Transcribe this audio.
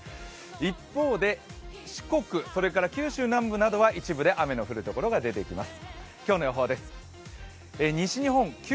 一方で四国、九州南部などは一部で雨の降るところがあります。